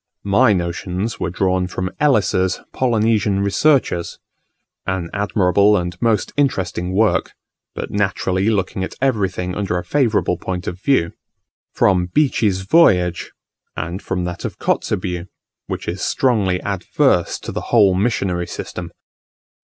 My notions were drawn from Ellis's "Polynesian Researches" an admirable and most interesting work, but naturally looking at everything under a favourable point of view, from Beechey's Voyage; and from that of Kotzebue, which is strongly adverse to the whole missionary system.